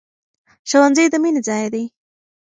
ښوونځی د مینې ځای دی.